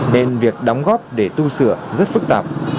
nên việc đóng góp để tu sửa rất phức tạp